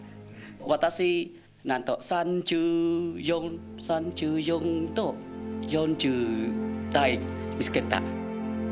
私なんと３４と４０体見つけた。